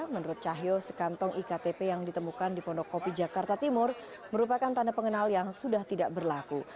menurut cahyo sekantong iktp yang ditemukan di pondokopi jakarta timur merupakan tanda pengenal yang sudah tidak berlaku